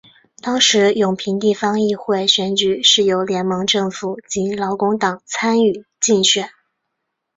当时永平地方议会选举是由联盟政府及劳工党参与竞选。